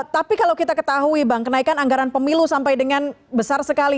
tapi kalau kita ketahui bang kenaikan anggaran pemilu sampai dengan besar sekali